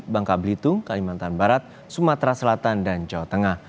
bangka belitung kalimantan barat sumatera selatan dan jawa tengah